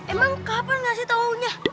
emang kapan gak sih taunya